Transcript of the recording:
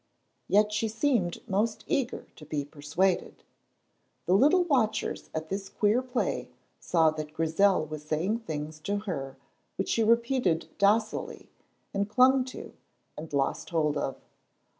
Yet she seemed most eager to be persuaded. The little watchers at this queer play saw that Grizel was saying things to her which she repeated docilely and clung to and lost hold of.